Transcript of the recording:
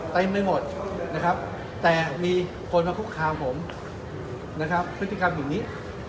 แต่ไม่หมดแต่มีคนมาฮุกคามผมพฤติกรรมอย่างนี้